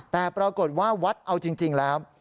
แต่ปรากฏว่าวัดเอาจริงแล้ว